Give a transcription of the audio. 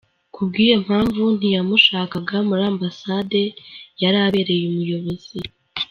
Kubw’iyo mpamvu, ntiyamushakaga muri ambasade yari abereye umuyobozi.